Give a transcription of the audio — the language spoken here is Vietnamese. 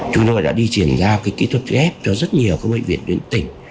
chúng tôi đã đi triển giao cái kỹ thuật ghép cho rất nhiều các bệnh viện tuyển tỉnh